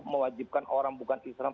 mewajibkan mengakses agama kita ke orang